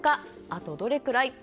あとどれくらい？